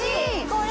これ！